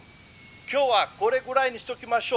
「今日はこれぐらいにしておきましょう。